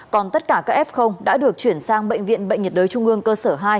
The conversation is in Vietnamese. còn tất cả các f đã được chuyển sang bệnh viện bệnh nhiệt đới trung ương cơ sở hai